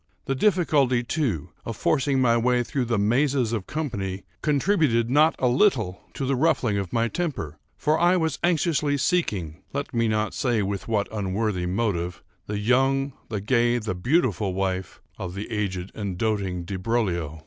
The difficulty, too, of forcing my way through the mazes of the company contributed not a little to the ruffling of my temper; for I was anxiously seeking, (let me not say with what unworthy motive) the young, the gay, the beautiful wife of the aged and doting Di Broglio.